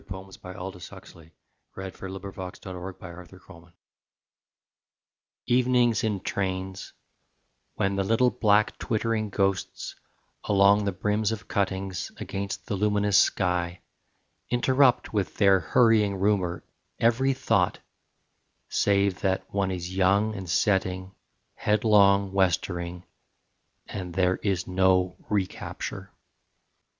What can have made the peacocks wake? RETURN FROM BUSINESS Evenings in trains, When the little black twittering ghosts Along the brims of cuttings, Against the luminous sky, Interrupt with their hurrying rumour every thought Save that one is young and setting, Headlong westering, And there is no recapture.